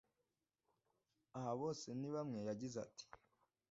Aha Bosenibamwe yagize ati